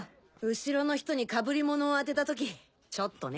後ろの人にかぶり物を当てた時ちょっとね。